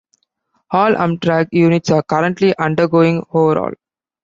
All Amtrak units are currently undergoing overhaul.